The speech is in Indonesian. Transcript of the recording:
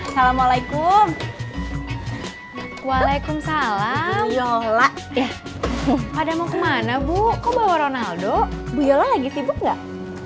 assalamualaikum waalaikumsalam yola ya pada mau kemana bu bawa ronaldo yola lagi sibuk enggak